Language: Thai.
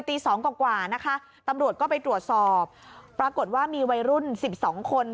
ตีสองกว่านะคะตำรวจก็ไปตรวจสอบปรากฏว่ามีวัยรุ่น๑๒คน